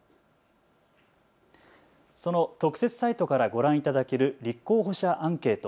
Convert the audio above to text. その特設サイトからご覧いただける立候補者アンケート。